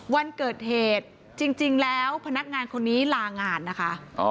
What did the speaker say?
วันเกิดเหตุจริงแล้วพนักงานคนนี้ลางานนะคะ